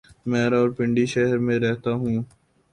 میں راولپنڈی شہر میں رہتا ہوں۔